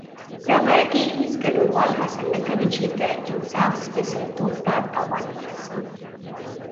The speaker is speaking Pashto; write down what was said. د مرکې هېڅ ګډونوال هڅه نه کوي چې د انصاف سپېڅلتوب ته تاوان ورسي.